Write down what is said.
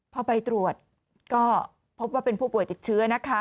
พอไปตรวจก็พบว่าเป็นผู้ป่วยติดเชื้อนะคะ